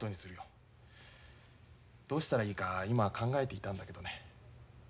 どうしたらいいか今考えていたんだけどね。